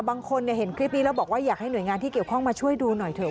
บางคนเห็นคลิปนี้แล้วบอกว่าอยากให้หน่วยงานที่เกี่ยวข้องมาช่วยดูหน่อยเถอ